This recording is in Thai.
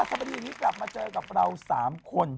๔ท่วมคุณธรรมดีวันนี้กลับมาเจอกับเรา๓คน